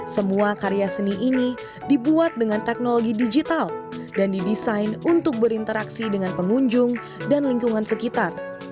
semua karya seni ini dibuat dengan teknologi digital dan didesain untuk berinteraksi dengan pengunjung dan lingkungan sekitar